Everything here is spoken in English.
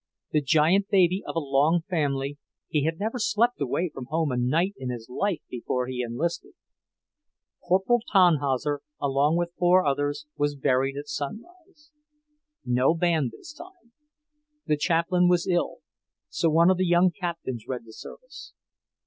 The giant baby of a long family, he had never slept away from home a night in his life before he enlisted. Corporal Tannhauser, along with four others, was buried at sunrise. No band this time; the chaplain was ill, so one of the young captains read the service.